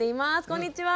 こんにちは！